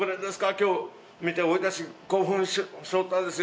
「今日見て俺たち興奮しよったんですよ」